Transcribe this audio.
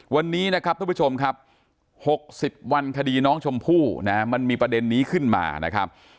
วันนี้นะครับทุกผู้ชมครับ๖๐วันคดีน้องชมพู่นะมันมีประเด็นนี้ขึ้นมานะครับ